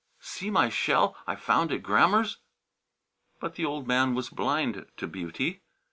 "See my shell I found at Grammer's!" But the old man was blind to beauty.